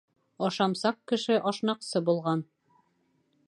Ашамсаҡ кеше ашнаҡсы булған.